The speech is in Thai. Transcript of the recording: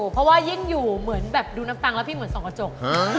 เพราะว่ายิ่งอยู่เหมือนแบบดูน้ำตังค์แล้วพี่เหมือนส่องกระจก